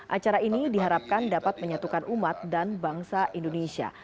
acara ini diharapkan dapat menyatukan umat dan bangsa indonesia